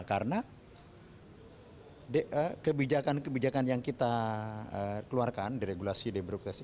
karena kebijakan kebijakan yang kita keluarkan di regulasi di beroperasi